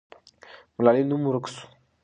ملالۍ نوم ورک سو.